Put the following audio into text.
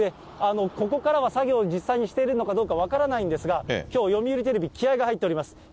ここからは作業を実際にしているのかどうか分からないんですが、きょう、読売テレビ、気合いが入っております。